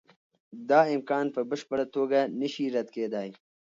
دا امکان په بشپړه توګه نشي رد کېدای.